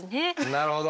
なるほど。